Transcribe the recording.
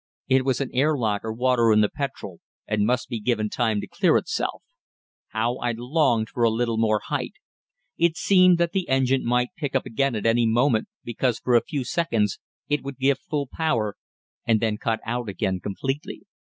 It was an airlock or water in the petrol, and must be given time to clear itself. How I longed for a little more height. It seemed that the engine might pick up again at any moment, because, for a few seconds, it would give full power and then cut out again completely.